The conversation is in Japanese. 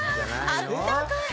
あったかい！